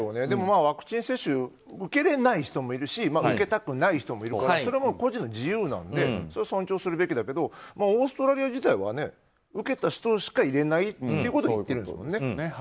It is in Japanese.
でもワクチン接種受けれない人もいるし受けたくない人もいるからそれは個人の自由なので尊重するべきだけどオーストラリア自体は受けた人しか入れないということを言ってるんですもんね。